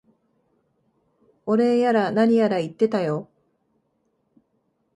お礼やら何やら言ってたよ。